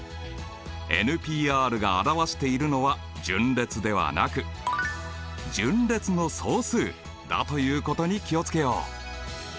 Ｐが表しているのは順列ではなく順列の総数だということに気を付けよう。